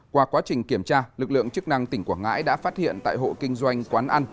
qua quá trình kiểm tra lực lượng chức năng tỉnh quảng ngãi đã phát hiện tại hộ kinh doanh quán ăn